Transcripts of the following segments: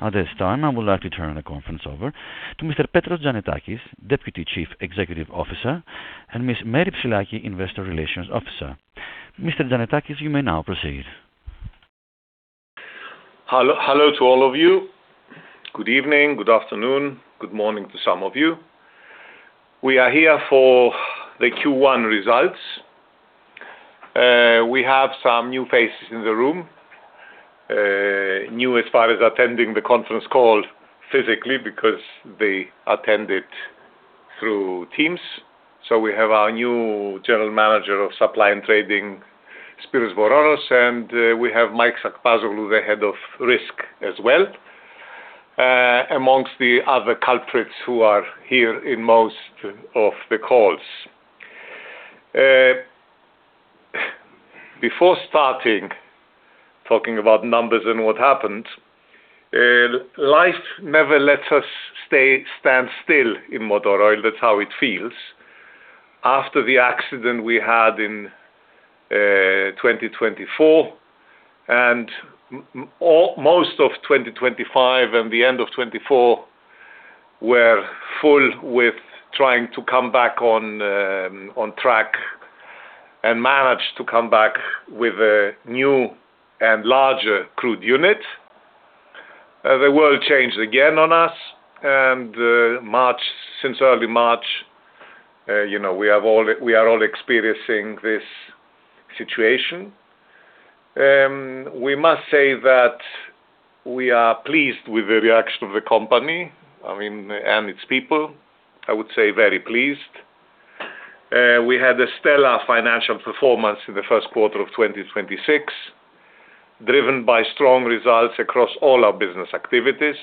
At this time, I would like to turn the conference over to Mr. Petros Tzannetakis, Deputy Chief Executive Officer, and Ms. Mary Psyllaki, Investor Relations Officer. Mr. Tzannetakis, you may now proceed. Hello to all of you. Good evening, good afternoon, good morning to some of you. We are here for the Q1 results. We have some new faces in the room, new as far as attending the conference call physically because they attended through Teams. We have our new General Manager of Supply and Trading, Spyridon Svoronos, and we have Mike Sachpazoglou, the Head of Risk as well amongst the other culprits who are here in most of the calls. Before starting talking about numbers and what happened, life never lets us stand still in Motor Oil. That's how it feels. After the accident we had in 2024 and most of 2025 and the end of 2024 were full with trying to come back on track and manage to come back with a new and larger crude unit. The world changed again on us and since early March, we are all experiencing this situation. We must say that we are pleased with the reaction of the company, and its people, I would say very pleased. We had a stellar financial performance in the first quarter of 2026, driven by strong results across all our business activities.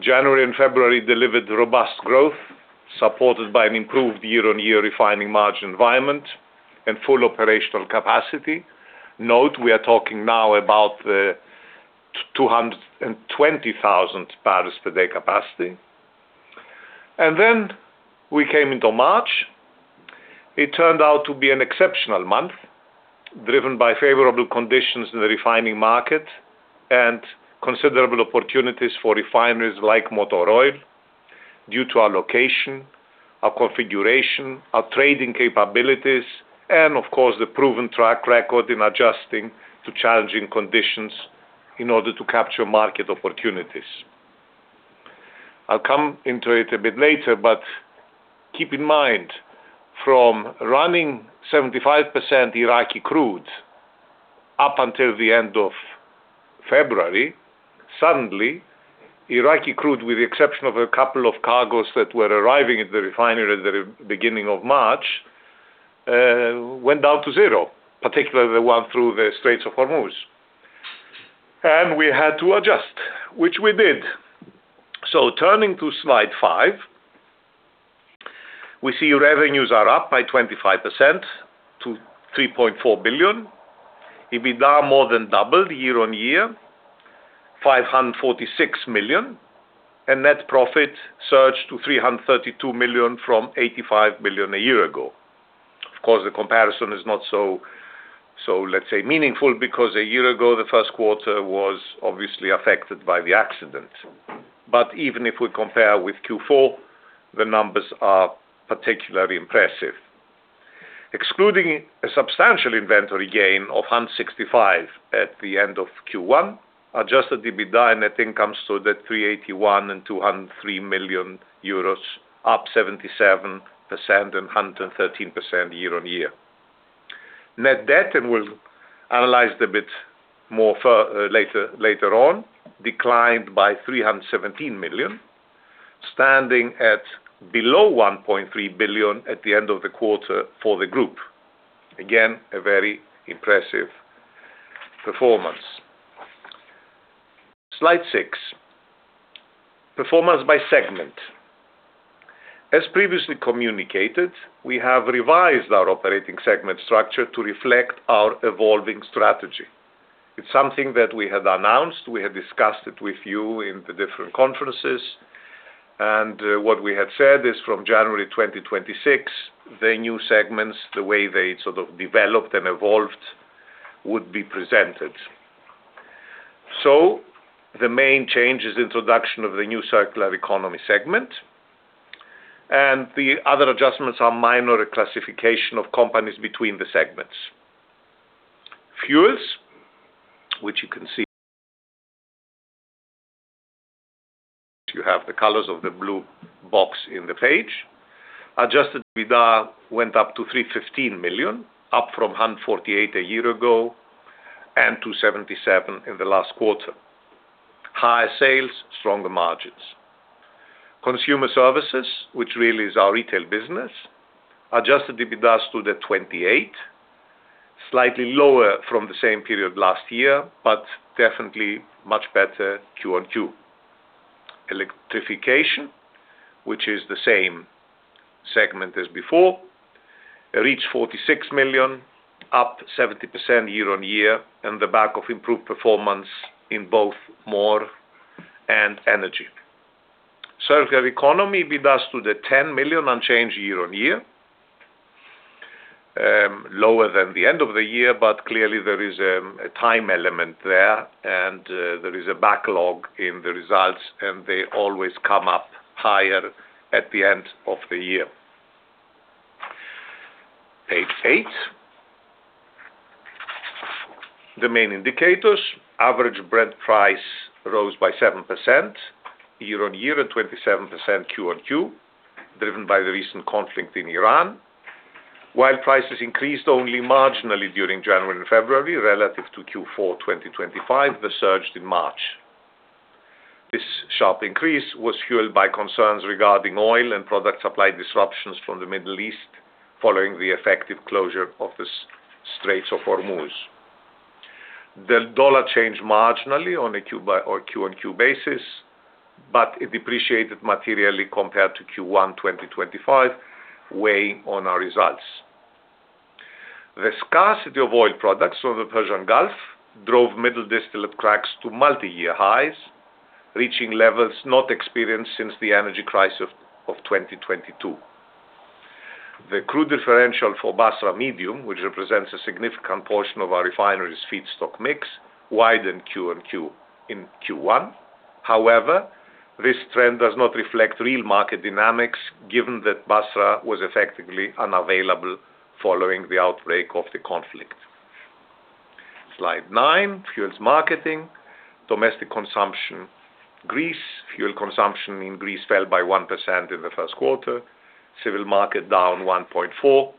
January and February delivered robust growth, supported by an improved year-on-year refining margin environment and full operational capacity. Note, we are talking now about the 220,000 barrels per day capacity. Then we came into March. It turned out to be an exceptional month, driven by favorable conditions in the refining market and considerable opportunities for refineries like Motor Oil due to our location, our configuration, our trading capabilities, and of course, the proven track record in adjusting to challenging conditions in order to capture market opportunities. I'll come into it a bit later. Keep in mind, from running 75% Iraqi crude up until the end of February, suddenly, Iraqi crude, with the exception of a couple of cargos that were arriving at the refinery at the beginning of March went down to zero, particularly the one through the Straits of Hormuz. We had to adjust, which we did. Turning to slide five, we see revenues are up by 25% to 3.4 billion. EBITDA more than doubled year-on-year, 546 million, and net profit surged to 332 million from 85 million a year ago. The comparison is not so, let's say, meaningful because a year ago, the first quarter was obviously affected by the accident. Even if we compare with Q4, the numbers are particularly impressive. Excluding a substantial inventory gain of 165 million at the end of Q1, adjusted EBITDA and net income stood at 381 million and 203 million euros, up 77% and 113% year-on-year. Net debt, and we'll analyze it a bit more later on, declined by 317 million, standing at below 1.3 billion at the end of the quarter for the group. Again, a very impressive performance. Slide six, performance by segment. As previously communicated, we have revised our operating segment structure to reflect our evolving strategy. It's something that we had announced. We had discussed it with you in the different conferences. What we had said is from January 2026, the new segments, the way they sort of developed and evolved would be presented. The main change is introduction of the new Circular Economy Segment, and the other adjustments are minor classification of companies between the segments. Fuels, which you can see you have the colors of the blue box in the page. Adjusted EBITDA went up to 315 million, up from 148 a year ago and 277 in the last quarter. Higher sales, stronger margins. Consumer Services, which really is our retail business, adjusted EBITDA stood at 28, slightly lower from the same period last year, but definitely much better QoQ. Electrification, which is the same segment as before, reached 46 million, up 70% year-on-year on the back of improved performance in both MORE and nrg. Circular Economy EBITDA stood at 10 million unchanged year-on-year. Clearly there is a time element there is a backlog in the results, and they always come up higher at the end of the year. Page eight. The main indicators. Average Brent price rose by 7% year-on-year and 27% QoQ, driven by the recent conflict in Iran. While prices increased only marginally during January and February relative to Q4 2025, they surged in March. This sharp increase was fueled by concerns regarding oil and product supply disruptions from the Middle East following the effective closure of the Straits of Hormuz. The dollar changed marginally on a QoQ basis, but it depreciated materially compared to Q1 2025, weighing on our results. The scarcity of oil products on the Persian Gulf drove middle distillate cracks to multi-year highs, reaching levels not experienced since the nrg crisis of 2022. The crude differential for Basrah Medium, which represents a significant portion of our refinery's feedstock mix, widened QoQ in Q1. However, this trend does not reflect real market dynamics, given that Basra was effectively unavailable following the outbreak of the conflict. Slide nine, Fuels marketing. Domestic consumption, Greece. Fuel consumption in Greece fell by 1% in the first quarter, civil market down 1.4%,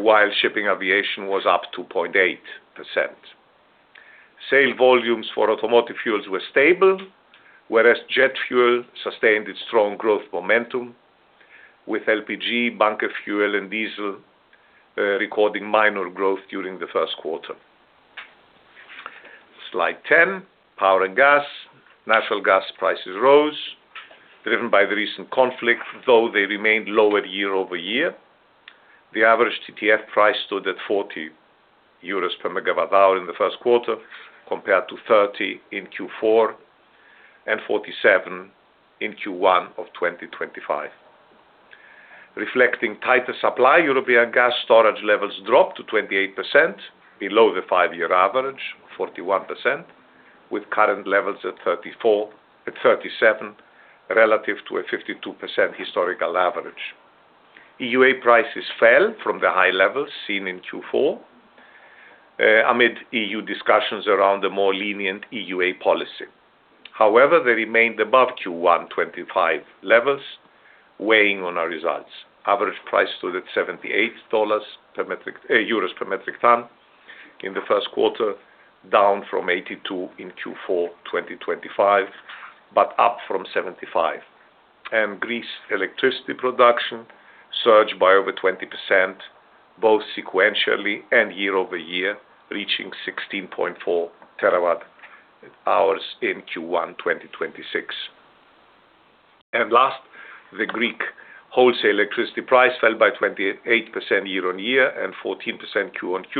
while shipping aviation was up 2.8%. Sale volumes for automotive fuels were stable, whereas jet fuel sustained its strong growth momentum, with LPG, bunker fuel, and diesel recording minor growth during the first quarter. Slide 10, power and gas. Natural gas prices rose, driven by the recent conflict, though they remained lower year-over-year. The average TTF price stood at 40 euros per megawatt hour in the first quarter, compared to 30 in Q4 and 47 in Q1 of 2025. Reflecting tighter supply, European gas storage levels dropped to 28%, below the five-year average of 41%, with current levels at 37% relative to a 52% historical average. EUA prices fell from the high levels seen in Q4 amid EU discussions around the more lenient EUA policy. They remained above Q1 2025 levels, weighing on our results. Average price stood at EUR 78 per metric ton in the first quarter, down from 82 in Q4 2025, up from 75. Greece electricity production surged by over 20%, both sequentially and year-over-year, reaching 16.4 terawatt hours in Q1 2026. Last, the Greek wholesale electricity price fell by 28% year-on-year and 14% QoQ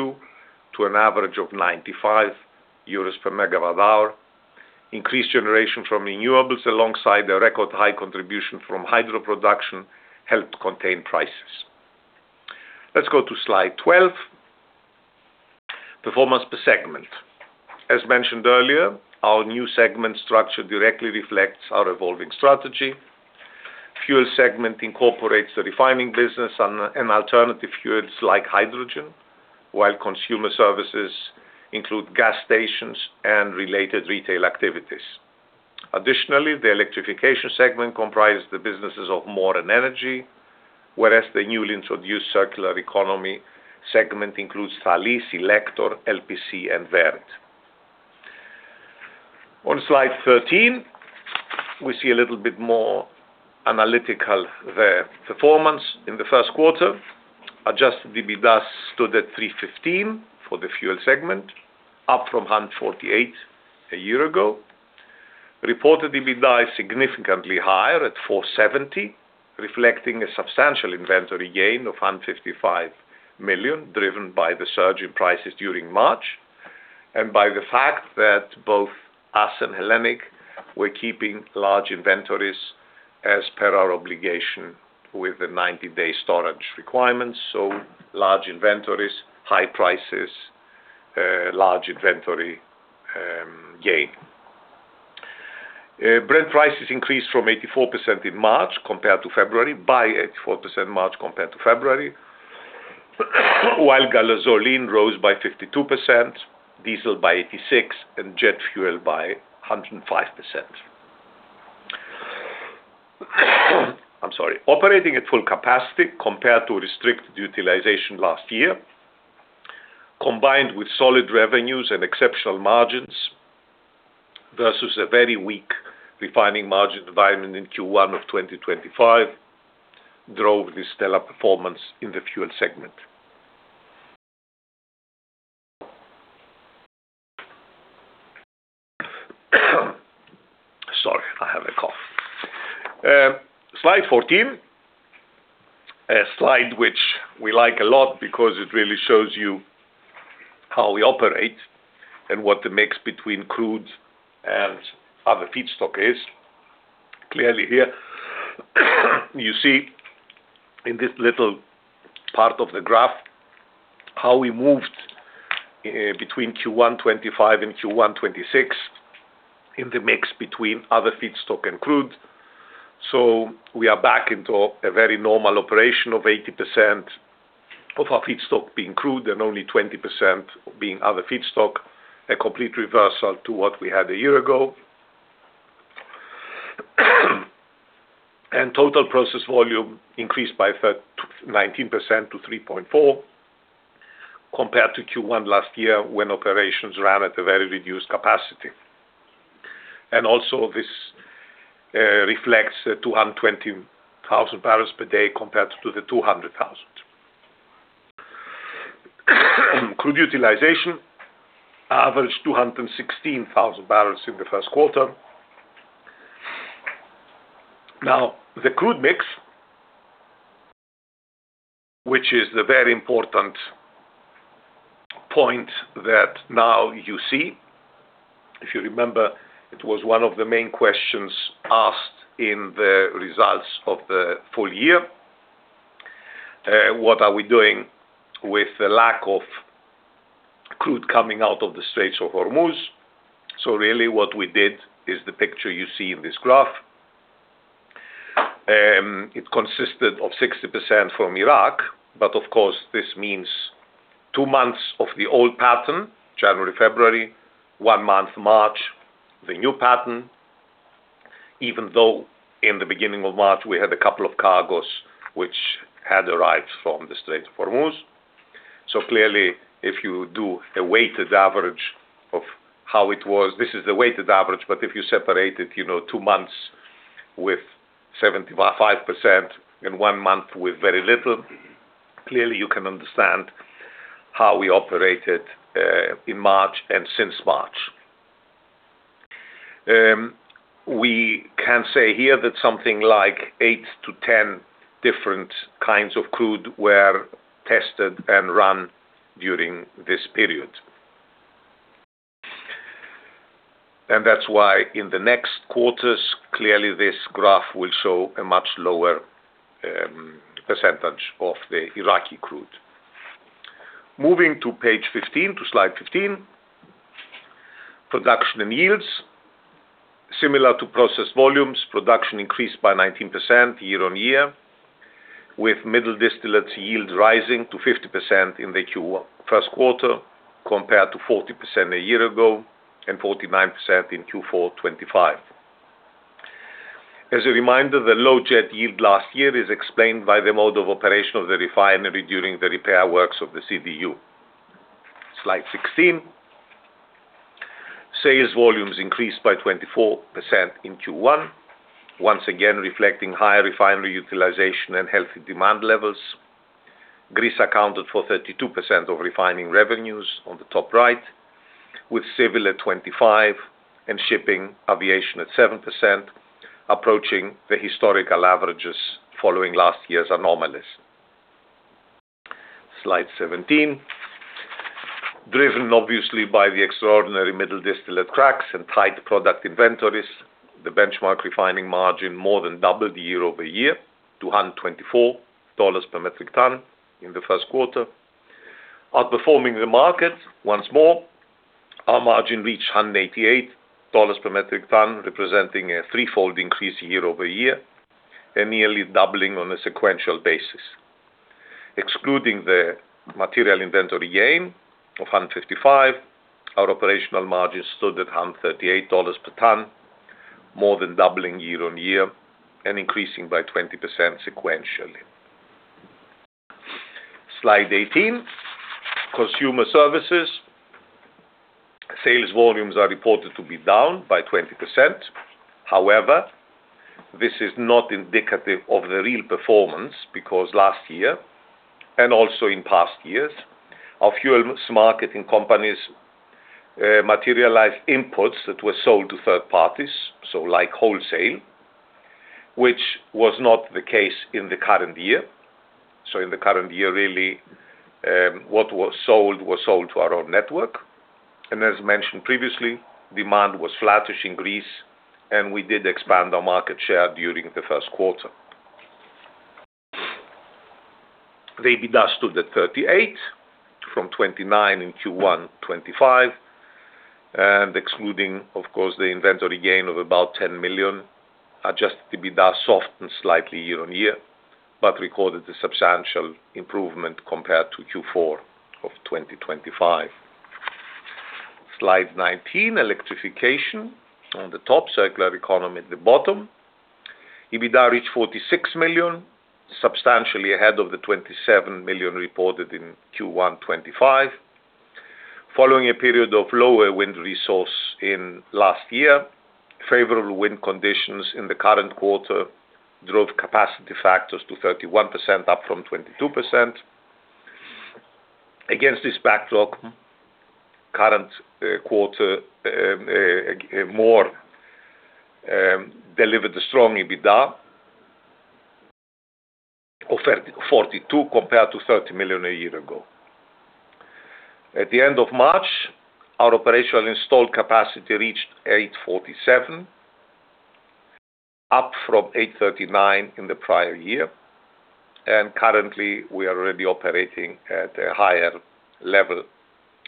to an average of 95 euros per megawatt hour. Increased generation from renewables alongside a record high contribution from hydro production helped contain prices. Let's go to slide 12. Performance per segment. As mentioned earlier, our new segment structure directly reflects our evolving strategy. Fuel segment incorporates the refining business and alternative fuels like hydrogen, while Consumer Services include gas stations and related retail activities. The Electrification segment comprises the businesses of MORE, whereas the newly introduced Circular Economy segment includes Thalis, HELECTOR, LPC, and VERD. On slide 13, we see a little bit more analytical performance in the first quarter. Adjusted EBITDA stood at 315 for the Fuel segment, up from 148 a year ago. Reported EBITDA is significantly higher at 470, reflecting a substantial inventory gain of 155 million, driven by the surge in prices during March and by the fact that both us and HELLENiQ were keeping large inventories as per our obligation with the 90-day storage requirements. Large inventories, high prices, large inventory gain. Brent prices increased from 84% in March compared to February, while gasoline rose by 52%, diesel by 86%, and jet fuel by 105%. I'm sorry. Operating at full capacity compared to restricted utilization last year, combined with solid revenues and exceptional margins versus a very weak refining margin environment in Q1 of 2025, drove this stellar performance in the Fuel segment. Sorry, I have a cough. Slide 14. A slide which we like a lot because it really shows you how we operate and what the mix between crude and other feedstock is. Clearly here you see in this little part of the graph how we moved between Q1 2025 and Q1 2026 in the mix between other feedstock and crude. We are back into a very normal operation of 80% of our feedstock being crude and only 20% being other feedstock, a complete reversal to what we had a year ago. Total process volume increased by 19% to 3.4%, compared to Q1 last year, when operations ran at a very reduced capacity. Also, this reflects 220,000 barrels per day compared to the 200,000. Crude utilization averaged 216,000 barrels in the first quarter. The crude mix, which is the very important point that now you see. If you remember, it was one of the main questions asked in the results of the full year. What are we doing with the lack of crude coming out of the Straits of Hormuz? Really what we did is the picture you see in this graph. It consisted of 60% from Iraq. Of course this means two months of the old pattern, January, February, one month, March, the new pattern, even though in the beginning of March we had a couple of cargos which had arrived from the Strait of Hormuz. Clearly if you do a weighted average of how it was, this is the weighted average, but if you separate it two months with 75% and one month with very little, clearly you can understand how we operated in March and since March. We can say here that something like eight to 10 different kinds of crude were tested and run during this period. That's why in the next quarters, clearly this graph will show a much lower percentage of the Iraqi crude. Moving to page 15, to slide 15. Production and yields. Similar to process volumes, production increased by 19% year-on-year, with middle distillate yields rising to 50% in the first quarter compared to 40% a year ago and 49% in Q4 2025. As a reminder, the low jet yield last year is explained by the mode of operation of the refinery during the repair works of the CDU. Slide 16. Sales volumes increased by 24% in Q1, once again reflecting higher refinery utilization and healthy demand levels. Greece accounted for 32% of refining revenues on the top right, with civil at 25% and shipping aviation at 7%, approaching the historical averages following last year's anomalies. Slide 17. Driven obviously by the extraordinary middle distillate cracks and tight product inventories, the benchmark refining margin more than doubled year-over-year to $124 per metric ton in the first quarter. Outperforming the market once more, our margin reached $188 per metric ton, representing a threefold increase year-over-year and nearly doubling on a sequential basis. Excluding the material inventory gain of $155, our operational margin stood at $138 per ton, more than doubling year-on-year and increasing by 20% sequentially. Slide 18. Consumer Services. Sales volumes are reported to be down by 20%. However, this is not indicative of the real performance because last year, and also in past years, our Fuels marketing company's materialized imports that were sold to third parties, so like wholesale, which was not the case in the current year. In the current year, really, what was sold was sold to our own network. As mentioned previously, demand was flattish in Greece, and we did expand our market share during the first quarter. EBITDA stood at 38 from 29 in Q1 2025. Excluding, of course, the inventory gain of about 10 million, adjusted EBITDA softened slightly year-on-year, but recorded a substantial improvement compared to Q4 2025. Slide 19, Electrification on the top, Circular Economy at the bottom. EBITDA reached 46 million, substantially ahead of the 27 million reported in Q1 2025. Following a period of lower wind resource in last year, favorable wind conditions in the current quarter drove capacity factors to 31%, up from 22%. Against this backdrop, current quarter MORE delivered a strong EBITDA 42 compared to 30 million a year ago. At the end of March, our operational installed capacity reached 847, up from 839 in the prior year, and currently we are already operating at a higher level,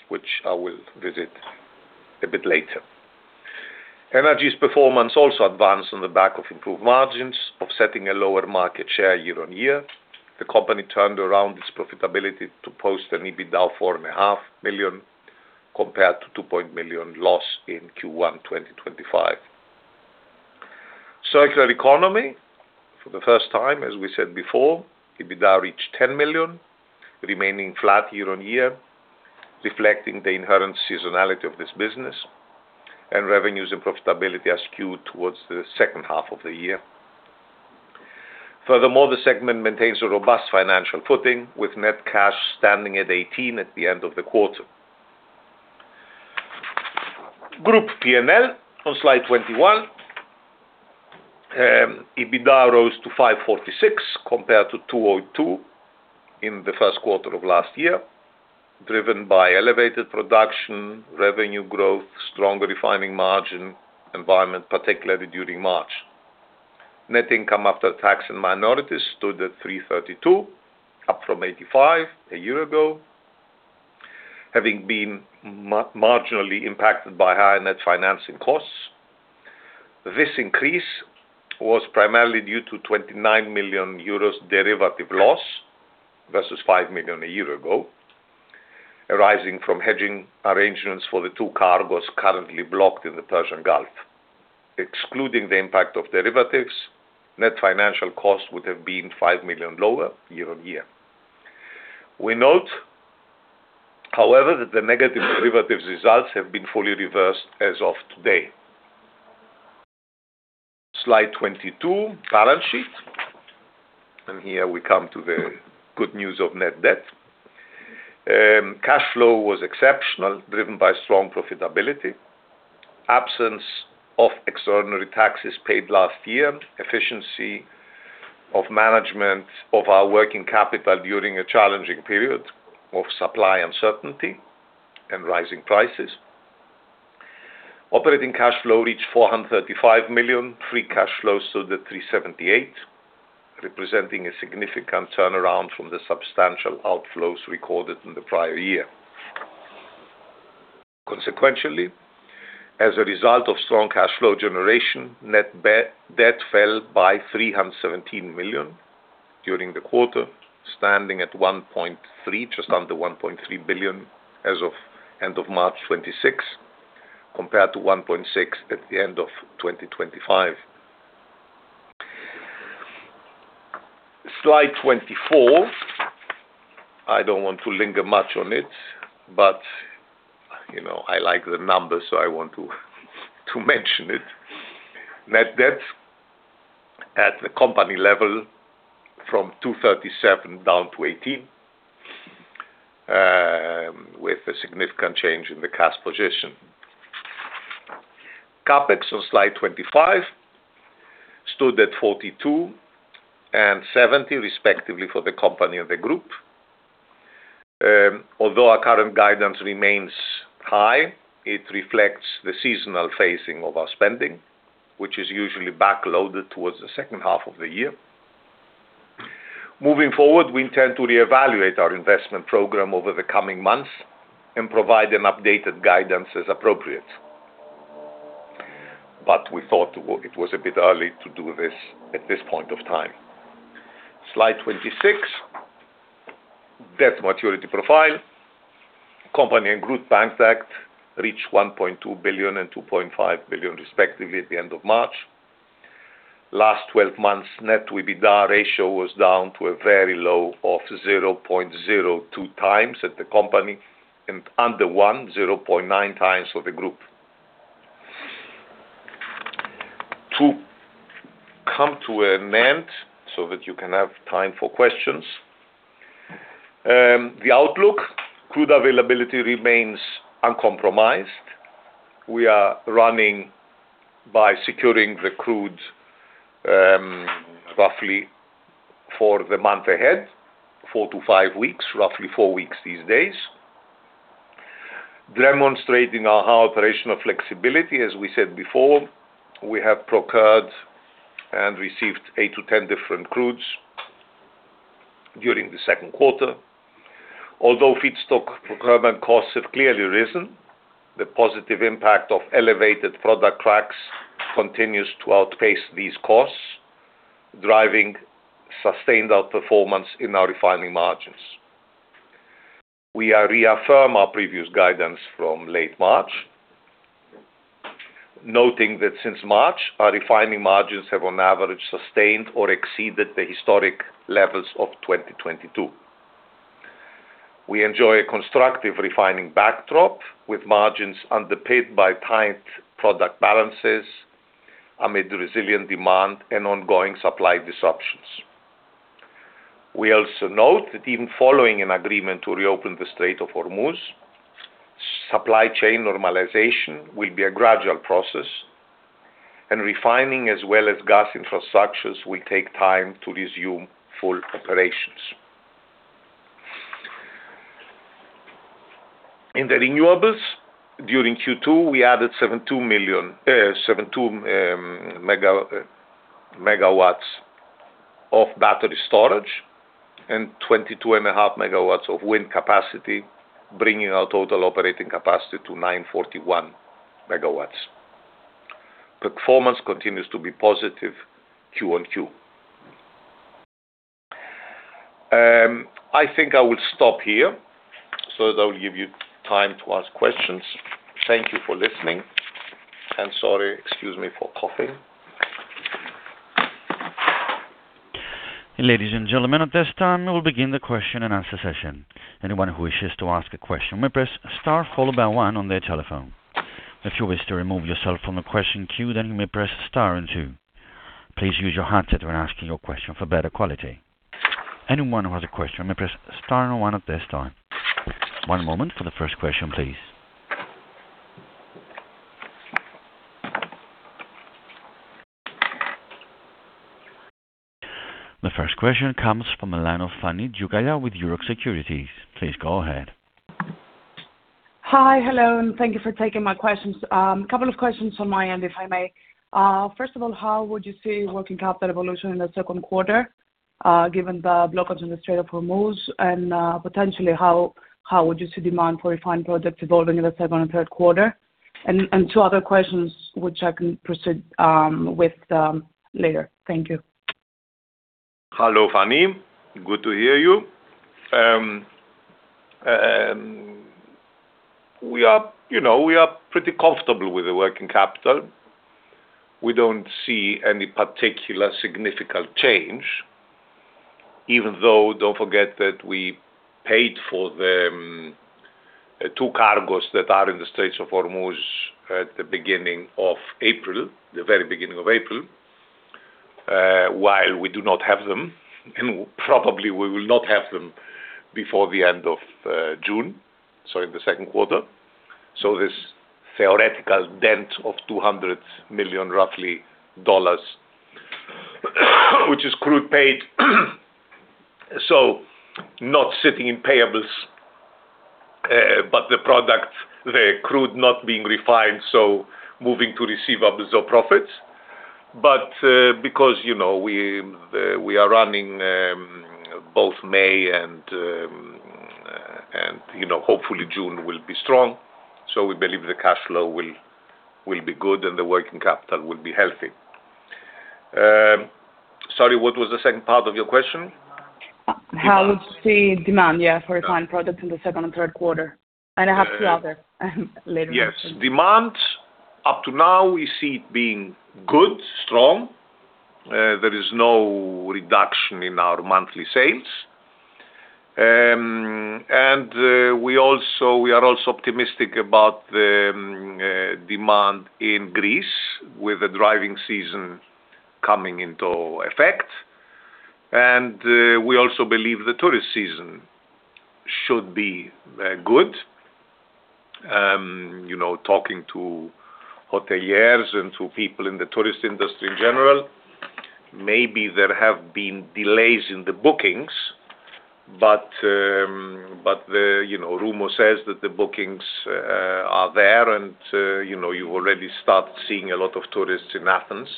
which I will visit a bit later. nrg's performance also advanced on the back of improved margins, offsetting a lower market share year-on-year. The company turned around its profitability to post an EBITDA of 4.5 million, compared to 2 million loss in Q1 2025. Circular Economy, for the first time, as we said before, EBITDA reached 10 million, remaining flat year-on-year, reflecting the inherent seasonality of this business. Revenues and profitability are skewed towards the second half of the year. Furthermore, the segment maintains a robust financial footing, with net cash standing at 18 at the end of the quarter. Group P&L on slide 21. EBITDA rose to 546 compared to 202 in the first quarter of last year, driven by elevated production, revenue growth, stronger refining margin environment, particularly during March. Net income after tax and minorities stood at 332, up from 85 a year ago, having been marginally impacted by higher net financing costs. This increase was primarily due to 29 million euros derivative loss versus 5 million a year ago, arising from hedging arrangements for the two cargos currently blocked in the Persian Gulf. Excluding the impact of derivatives, net financial costs would have been 5 million lower year-on-year. We note, however, that the negative derivatives results have been fully reversed as of today. Slide 22, balance sheet. Here we come to the good news of net debt. Cash flow was exceptional, driven by strong profitability, absence of extraordinary taxes paid last year, efficiency of management of our working capital during a challenging period of supply uncertainty and rising prices. Operating cash flow reached 435 million, free cash flow stood at 378 million, representing a significant turnaround from the substantial outflows recorded in the prior year. Consequentially, as a result of strong cash flow generation, net debt fell by 317 million during the quarter, standing at 1.3 billion, just under 1.3 billion as of end of March 26, compared to 1.6 billion at the end of 2025. Slide 24. I don't want to linger much on it, but I like the numbers, so I want to mention it. Net debt at the company level from 237 million down to 18 million, with a significant change in the cash position. CapEx on slide 25 stood at 42 million and 70 million, respectively for the company and the group. Although our current guidance remains high, it reflects the seasonal phasing of our spending, which is usually back-loaded towards the second half of the year. Moving forward, we intend to reevaluate our investment program over the coming months and provide an updated guidance as appropriate. We thought it was a bit early to do this at this point of time. Slide 26. Debt maturity profile. Company and group bank debt reached 1.2 billion and 2.5 billion respectively at the end of March. Last 12 months net debt to EBITDA ratio was down to a very low of 0.02x at the company and under one, 0.9x for the group. To come to an end so that you can have time for questions. The outlook. Crude availability remains uncompromised. We are running by securing the crudes roughly for the month ahead, four to five weeks, roughly four weeks these days. Demonstrating our operational flexibility, as we said before, we have procured and received 8-10 different crudes during the second quarter. Although feedstock procurement costs have clearly risen, the positive impact of elevated product cracks continues to outpace these costs, driving sustained outperformance in our refining margins. We reaffirm our previous guidance from late March, noting that since March, our refining margins have on average sustained or exceeded the historic levels of 2022. We enjoy a constructive refining backdrop, with margins underpinned by tight product balances amid resilient demand and ongoing supply disruptions. We also note that even following an agreement to reopen the Strait of Hormuz. Supply chain normalization will be a gradual process, and refining as well as gas infrastructures will take time to resume full operations. In the renewables, during Q2, we added 72 MW of battery storage and 22.5 MW of wind capacity, bringing our total operating capacity to 941 MW. Performance continues to be positive QoQ. I think I will stop here, so that will give you time to ask questions. Thank you for listening. Sorry, excuse me for coughing. Ladies and gentlemen, at this time, we'll begin the question and answer session. Anyone who is wishing to ask a question may press star followed by one on their telephone. If you wish to remove yourself from the question queue then you may press star and two. Please use your handset when asking your question for better quality. Anyone who has a question may press star and one at this time. One moment for the first question, please. The first question comes from the line of Fani Tzioukalia with Euroxx Securities. Please go ahead. Hi. Hello, thank you for taking my questions. Couple of questions on my end, if I may. First of all, how would you see working capital evolution in the second quarter, given the blockage in the Strait of Hormuz? Potentially, how would you see demand for refined products evolving in the second and third quarter? Two other questions which I can proceed with later. Thank you. Hello, Fani. Good to hear you. We are pretty comfortable with the working capital. We don't see any particular significant change, even though don't forget that we paid for the two cargos that are in the Strait of Hormuz at the beginning of April, the very beginning of April. While we do not have them, and probably we will not have them before the end of June. In the second quarter. This theoretical dent of $200 million, roughly, which is crude paid. Not sitting in payables, but the product, the crude not being refined, so moving to receivables or profits. Because we are running both May and hopefully June will be strong, so we believe the cash flow will be good and the working capital will be healthy. Sorry, what was the second part of your question? How would you see demand, yeah, for refined products in the second and third quarter? I have two others later. Yes. Demand up to now we see it being good, strong. There is no reduction in our monthly sales. We are also optimistic about the demand in Greece with the driving season coming into effect. We also believe the tourist season should be good. Talking to hoteliers and to people in the tourist industry in general, maybe there have been delays in the bookings. Rumor says that the bookings are there and you already start seeing a lot of tourists in Athens.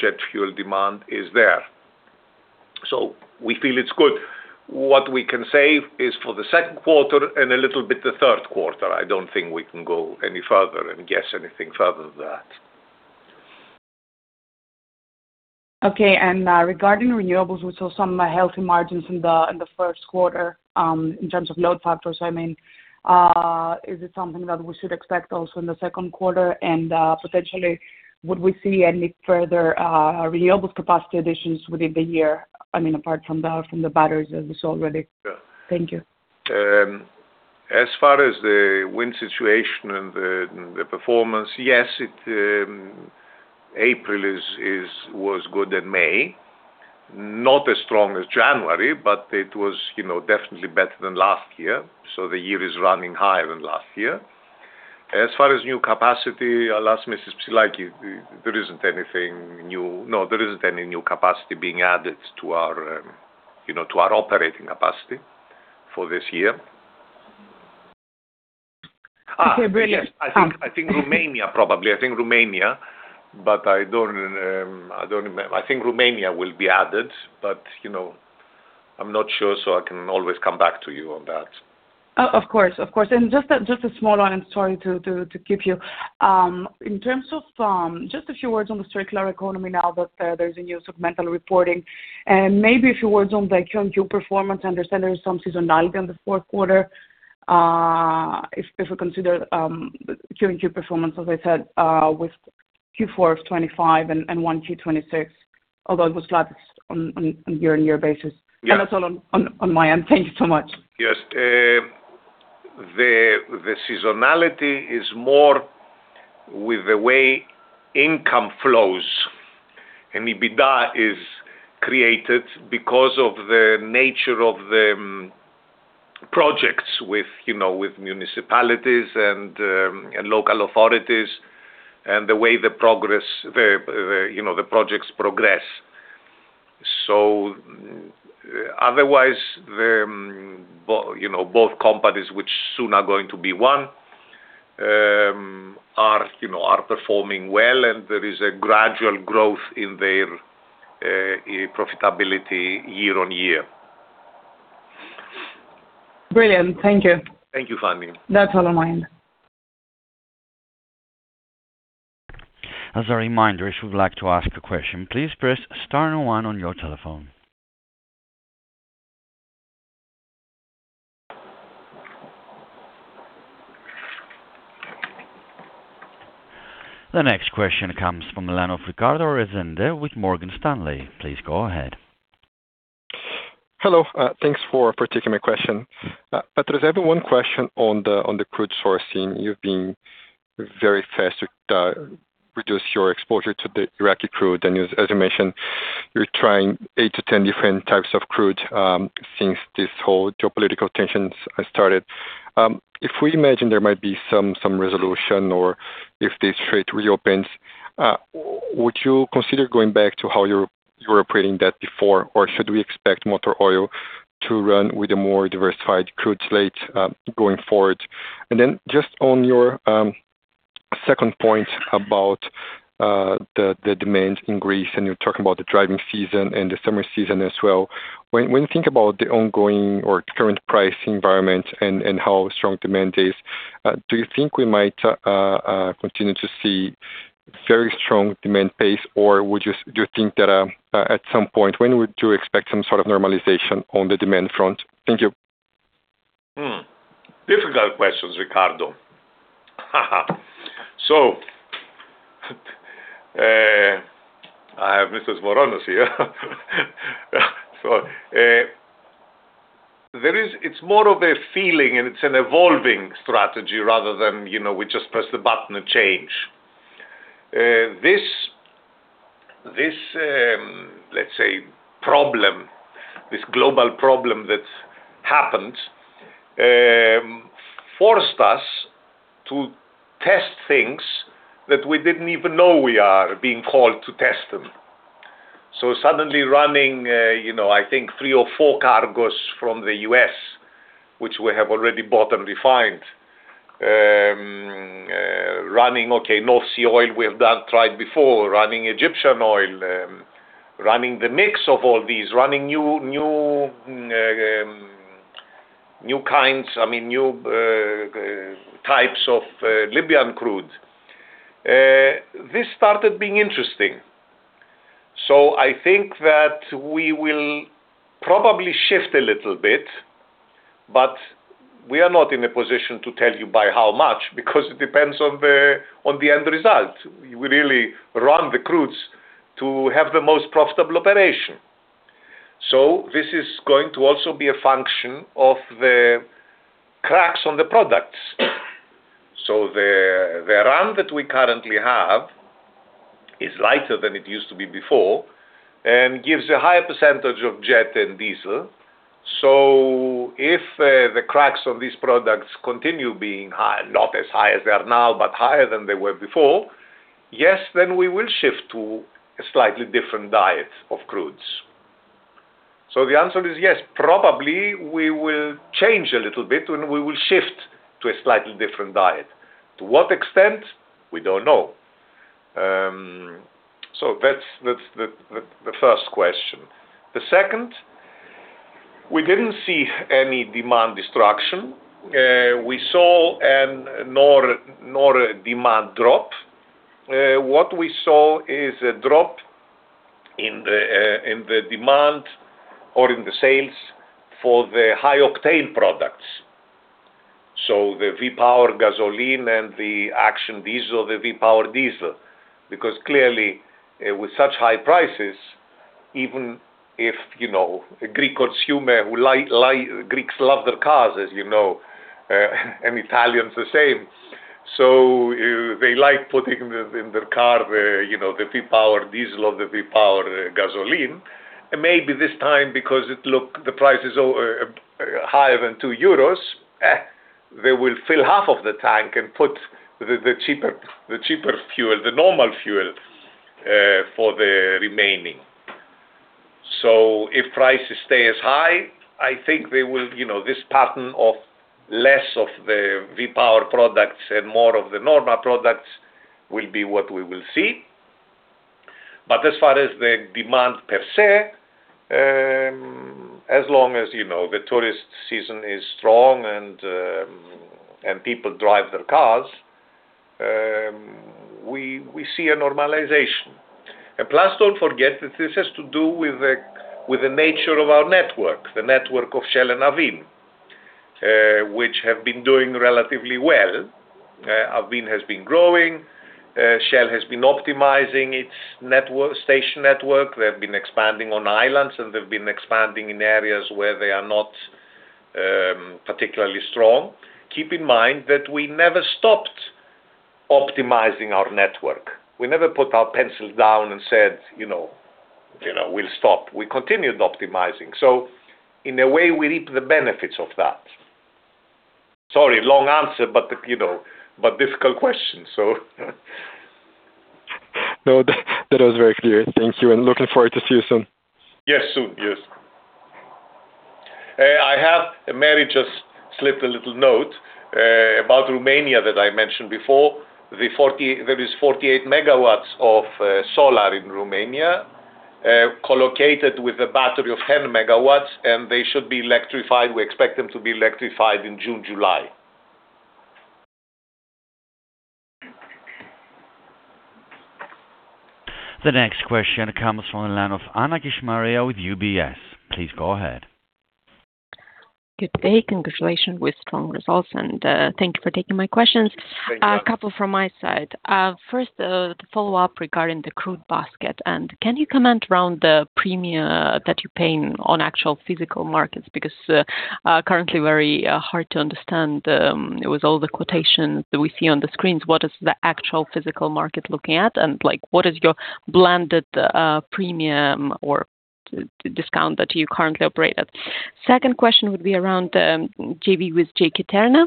Jet fuel demand is there. We feel it's good. What we can say is for the second quarter and a little bit the third quarter. I don't think we can go any further and guess anything further than that. Okay. Regarding renewables, we saw some healthy margins in the first quarter, in terms of load factors, I mean. Is it something that we should expect also in the second quarter, and potentially would we see any further renewables capacity additions within the year? Apart from the batteries that we saw already. Yeah. Thank you. As far as the wind situation and the performance, yes, April was good, and May. Not as strong as January, but it was definitely better than last year. The year is running higher than last year. As far as new capacity, alas, Mrs. Tzioukalia, there isn't any new capacity being added to our operating capacity for this year. Okay, brilliant. Yes, I think Romania, probably. I think Romania. I think Romania will be added, but I'm not sure, so I can always come back to you on that. Of course. Just a small one. I'm sorry to keep you. In terms of just a few words on the Circular Economy now that there's a segmental reporting, and maybe a few words on the QoQ performance. I understand there is some seasonality in the fourth quarter. If we consider QoQ performance, as I said, with Q4 of 2025 and one Q 2026, although it was flat on year-on-year basis. Yeah. That's all on my end. Thank you so much. Yes. The seasonality is more with the way income flows and EBITDA is created because of the nature of the projects with municipalities and local authorities, and the way the projects progress. Otherwise, both companies, which soon are going to be one, are performing well, and there is a gradual growth in their profitability year-on-year. Brilliant. Thank you. Thank you, Fani. That's all on my end. As a reminder, if you'd like to ask a question, please press star one on your telephone. The next question comes from the line of Ricardo Rezende with Morgan Stanley. Please go ahead. Hello. Thanks for taking my question. Petros, I have one question on the crude sourcing. You've been very fast to reduce your exposure to the Iraqi crude. As you mentioned, you're trying 8-10 different types of crude since these whole geopolitical tensions have started. If we imagine there might be some resolution or if this trade reopens, would you consider going back to how you were operating that before, or should we expect Motor Oil to run with a more diversified crude slate going forward? Just on your second point about the demand in Greece, you're talking about the driving season and the summer season as well. When you think about the ongoing or current price environment and how strong demand is, do you think we might continue to see very strong demand pace, or do you think that at some point, when would you expect some sort of normalization on the demand front? Thank you. Difficult questions, Ricardo. I have Mr. Svoronos here. It's more of a feeling, and it's an evolving strategy rather than we just press the button and change. This global problem that happened forced us to test things that we didn't even know we are being called to test them. Suddenly running I think three or four cargos from the U.S., which we have already bought and refined. Running North Sea oil, we have not tried before. Running Egyptian oil, running the mix of all these. Running new types of Libyan crude. This started being interesting. I think that we will probably shift a little bit, but we are not in a position to tell you by how much, because it depends on the end result. We really run the crudes to have the most profitable operation. This is going to also be a function of the cracks on the products. The run that we currently have is lighter than it used to be before and gives a higher percentage of jet and diesel. If the cracks on these products continue being high, not as high as they are now, but higher than they were before, yes, then we will shift to a slightly different diet of crudes. The answer is yes. Probably, we will change a little bit, and we will shift to a slightly different diet. To what extent? We don't know. That's the first question. The second, we didn't see any demand destruction, nor a demand drop. What we saw is a drop in the demand or in the sales for the high octane products. The Shell V-Power gasoline and the Action Diesel, the Shell V-Power diesel, because clearly, with such high prices, even if a Greek consumer Greeks love their cars, as you know, and Italians the same. They like putting in their car the Shell V-Power diesel or the Shell V-Power gasoline. Maybe this time because the price is higher than 2 euros, they will fill half of the tank and put the cheaper fuel, the normal fuel for the remaining. If prices stay as high, I think this pattern of less of the Shell V-Power products and more of the normal products will be what we will see. As far as the demand per se, as long as the tourist season is strong and people drive their cars, we see a normalization. Don't forget that this has to do with the nature of our network, the network of Shell and AVIN, which have been doing relatively well. AVIN has been growing. Shell has been optimizing its station network. They have been expanding on islands, and they've been expanding in areas where they are not particularly strong. Keep in mind that we never stopped optimizing our network. We never put our pencils down and said, "We'll stop." We continued optimizing. In a way, we reap the benefits of that. Sorry, long answer, but difficult question. No, that was very clear. Thank you and looking forward to see you soon. Yes. Soon. Yes. Mary just slipped a little note about Romania that I mentioned before. There is 48 MW of solar in Romania, co-located with a battery of 10 MW, and they should be electrified. We expect them to be electrified in June, July. The next question comes from the line of Anna Kishmariya with UBS. Please go ahead. Good day. Congratulations with strong results, and thank you for taking my questions. Thank you. A couple from my side. First, to follow up regarding the crude basket. Can you comment around the premia that you're paying on actual physical markets? Because currently very hard to understand with all the quotations that we see on the screens. What is the actual physical market looking at, and what is your blended premium or discount that you currently operate at? Second question would be around the JV with GEK TERNA.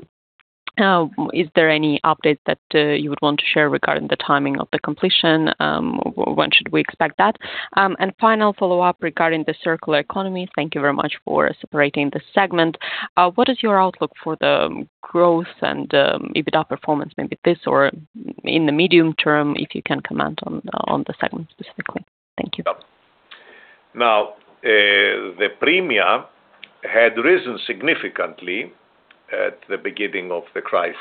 Is there any update that you would want to share regarding the timing of the completion? When should we expect that? Final follow-up regarding the Circular Economy. Thank you very much for separating this segment. What is your outlook for the growth and EBITDA performance, maybe this or in the medium term, if you can comment on the segment specifically? Thank you. The premia had risen significantly at the beginning of the crisis.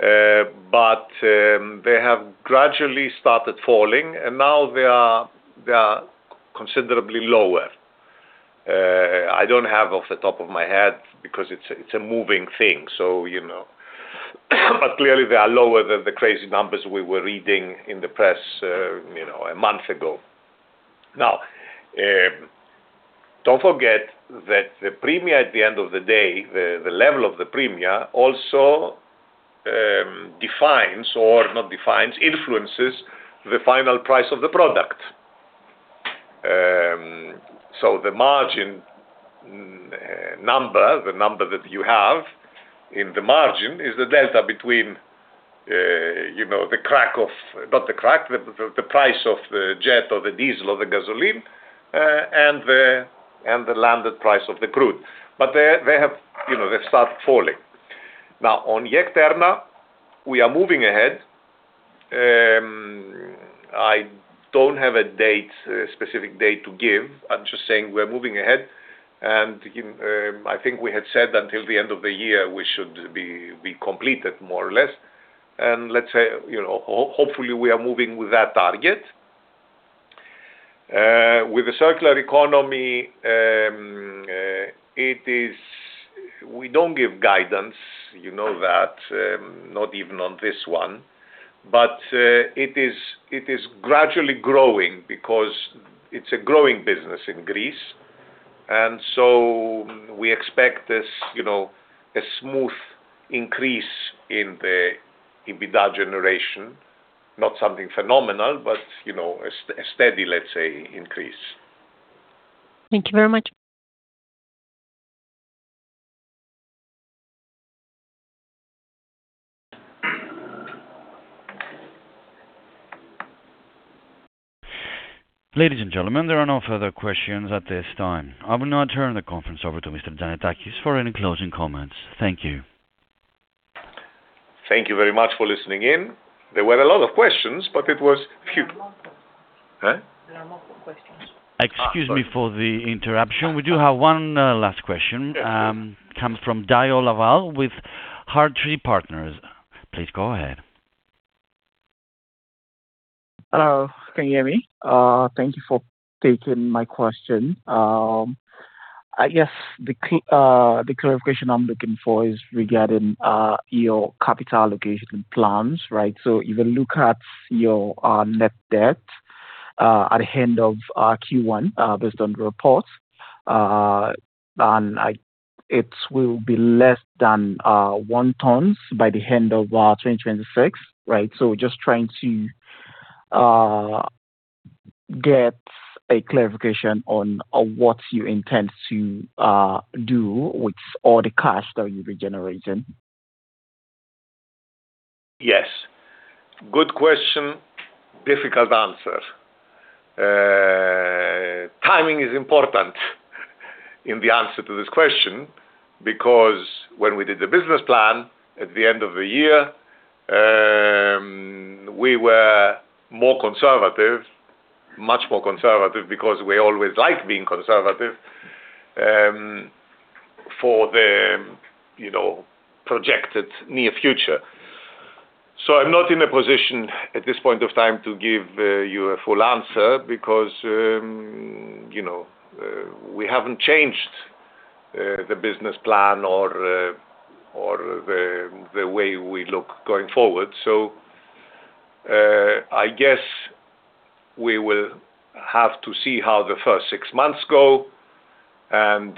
They have gradually started falling, and now they are considerably lower. I don't have off the top of my head because it's a moving thing. Clearly, they are lower than the crazy numbers we were reading in the press a month ago. Don't forget that the premia, at the end of the day, the level of the premia also defines or not defines, influences the final price of the product. The margin number, the number that you have in the margin, is the delta between the price of the jet or the diesel or the gasoline, and the landed price of the crude. They've started falling. On GEK TERNA, we are moving ahead. I don't have a specific date to give. I'm just saying we're moving ahead, and I think we had said until the end of the year, we should be completed, more or less. Let's say, hopefully, we are moving with that target. With the Circular Economy, we don't give guidance, you know that, not even on this one. It is gradually growing because it's a growing business in Greece, and so we expect a smooth increase in the EBITDA generation. Not something phenomenal, but a steady, let's say, increase. Thank you very much. Ladies and gentlemen, there are no further questions at this time. I will now turn the conference over to Mr. Tzannetakis for any closing comments. Thank you. Thank you very much for listening in. There were a lot of questions, but it was few. There are more questions. Huh? There are more questions. Excuse me for the interruption. We do have one last question. Yes, please. Comes from Dayo Lawal with Hartree Partners. Please go ahead. Hello, can you hear me? Thank you for taking my question. I guess the clarification I'm looking for is regarding your capital allocation plans, right? If you look at your net debt at the end of Q1, based on the reports, it will be less than 1x by the end of 2026, right? Just trying to get a clarification on what you intend to do with all the cash that you'll be generating. Yes. Good question, difficult answer. Timing is important in the answer to this question because when we did the business plan at the end of the year, we were more conservative, much more conservative because we always like being conservative, for the projected near future. I'm not in a position at this point of time to give you a full answer because we haven't changed the business plan or the way we look going forward. I guess we will have to see how the first six months go and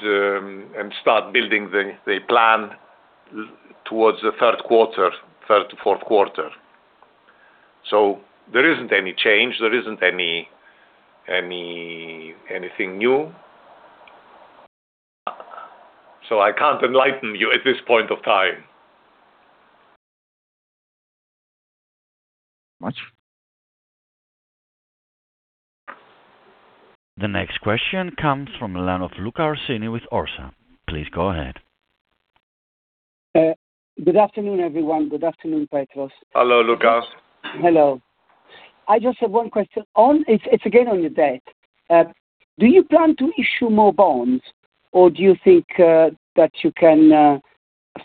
start building the plan towards the third to fourth quarter. There isn't any change, there isn't anything new. I can't enlighten you at this point of time. Much. The next question comes from the line of Luca Orsini with Orsa. Please go ahead. Good afternoon, everyone. Good afternoon, Petros. Hello, Luca. Hello. I just have one question. It's again on your debt. Do you plan to issue more bonds, or do you think that you can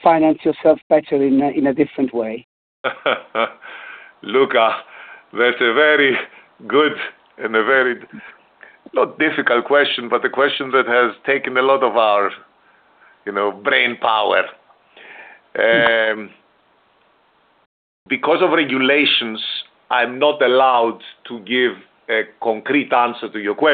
finance yourself better in a different way? Luca, that's a very good and a very, not difficult question, but a question that has taken a lot of our brain power. Because of regulations, I'm not allowed to give a concrete answer to your question.